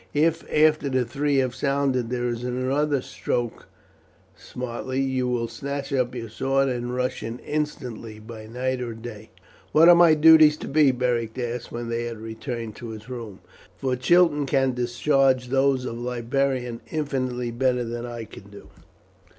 If after the three have sounded there is another struck smartly, you will snatch up your sword and rush in instantly by night or day." "What are my duties to be?" Beric asked when they had returned to his room, "for Chiton can discharge those of librarian infinitely better than I can do."